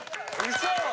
嘘！